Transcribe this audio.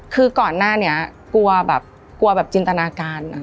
คือก่อนหน้านี้กลัวแบบกลัวแบบจินตนาการ